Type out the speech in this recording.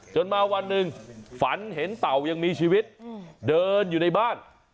มาวันหนึ่งฝันเห็นเต่ายังมีชีวิตเดินอยู่ในบ้าน